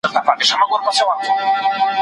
هغه څوک چي مرسته کوي، خلګ ورسره مرسته کوي.